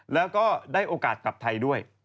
แล้วก็ได้โอกาสกลับไทยด้วย